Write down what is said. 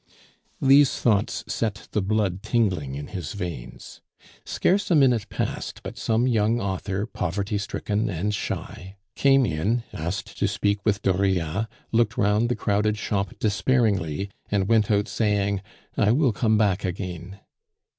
These thoughts set the blood tingling in his veins. Scarce a minute passed but some young author, poverty stricken and shy, came in, asked to speak with Dauriat, looked round the crowded shop despairingly, and went out saying, "I will come back again."